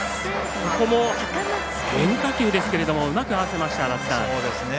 ここも変化球ですけれどもうまく合わせました。